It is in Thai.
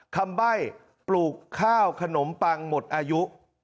ใบ้ปลูกข้าวขนมปังหมดอายุ